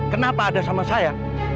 kenapa ada sama saya